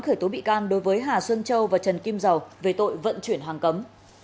khởi tố bị can đối với hà xuân châu và trần kim dầu về tội vận chuyển hàng cấm